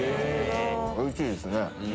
おいしいですね。